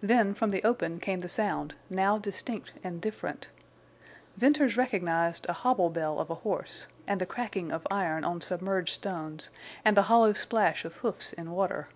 Then from the open came the sound, now distinct and different. Venters recognized a hobble bell of a horse, and the cracking of iron on submerged stones, and the hollow splash of hoofs in water.